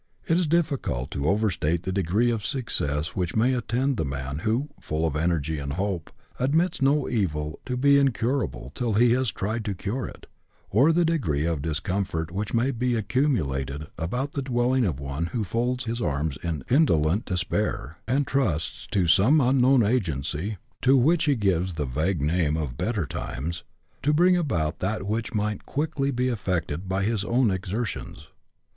It is diflficult to overstate the degree of success which may attend the man who, full of energy and hope, admits no evil to be in curable till he has tried to cure it, or the degree of discomfort which may be accumulated about the dwelling of one who folds his arms in indolent despair, and trusts to some unknown agency (to which he gives the vague name of "better times") to bring about that which might quickly be eflPected by his own exertions.